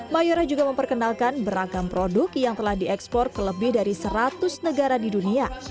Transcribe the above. mayora juga memperkenalkan beragam produk yang telah diekspor ke lebih dari seratus negara di dunia